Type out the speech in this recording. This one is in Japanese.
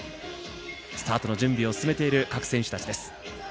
スタートの準備を進めている各選手たちです。